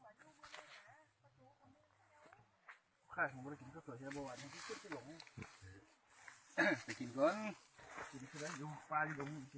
ทำปุศังบัตรปุศังนี้สิ